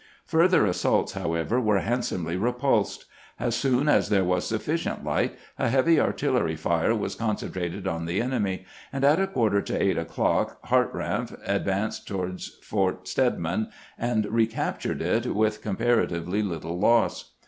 Further assaults, how ever, were handsomely repulsed ; as soon as there was sufficient light a heavy artillery fire was concentrated on the enemy, and at a quarter to eight o'clock Hartranft advanced against Fort Stedman, and recaptured it with comparatively small loss.